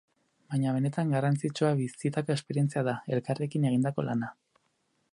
Baina benetan garrantzitsua bizitako esperientzia da, elkarrekin egindako lana.